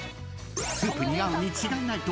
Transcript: ［スープに合うに違いないと］